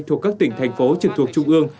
thuộc các tỉnh thành phố trực thuộc trung ương